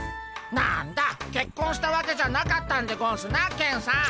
何だけっこんしたわけじゃなかったんでゴンスなケンさん。